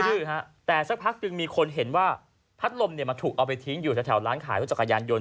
ื้อฮะแต่สักพักหนึ่งมีคนเห็นว่าพัดลมเนี่ยมันถูกเอาไปทิ้งอยู่แถวร้านขายรถจักรยานยนต